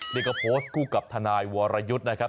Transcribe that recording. นี่ก็โพสต์คู่กับทนายวรยุทธ์นะครับ